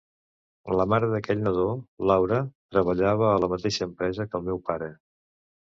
La mare d'aquell nadó, Laura, treballava a la mateixa empresa que el meu pare.